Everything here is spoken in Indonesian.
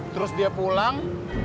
terus dia pulang